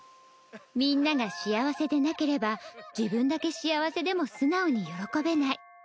みんなが幸せでなければ自分だけ幸せでも素直に喜べない